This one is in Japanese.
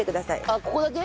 あっここだけ？